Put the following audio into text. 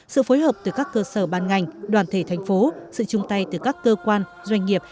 sự phối hợp từ các cơ sở ban ngành đoàn thể thành phố sự chung tay từ các cơ quan doanh nghiệp